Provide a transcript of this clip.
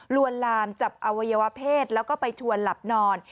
วนลามจับอวัยวะเพศแล้วก็ไปชวนหลับนอน